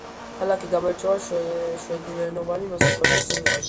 ქალაქი გამოირჩევა შვედურენოვანი მოსახლეობის სიმრავლით.